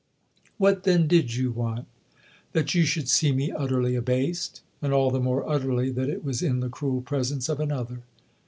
" What then did you want ?"" That you should see me utterly abased and all the more utterly that it was in the cruel presence of another."